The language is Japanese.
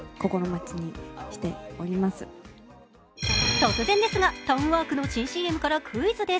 突然ですがタウンワークの新ＣＭからクイズです。